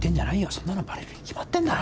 そんなのバレるに決まってんだろ。